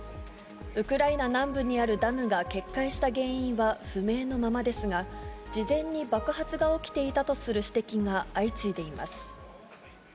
ウクライナ南部にあるダムが決壊した原因は不明のままですが、事前に爆発が起きていたとする指摘が相次いでいます。